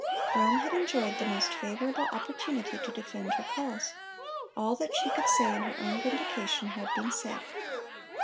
Rome had enjoyed the most favorable opportunity to defend her cause. All that she could say in her own vindication had been said.